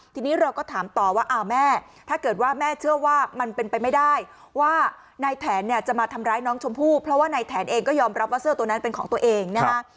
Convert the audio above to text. ทีนี้เราก็ถามต่อว่าอ้าวแม่ถ้าเกิดว่าแม่เชื่อว่ามันเป็นไปไม่ได้ว่านายแถนเนี่ยจะมาทำร้ายน้องชมพู่เพราะว่านายแถนเองก็ยอมรับว่าเสื้อตัวนั้นเป็นของตัวเองนะฮะ